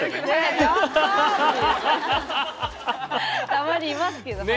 たまにいますけど速い人。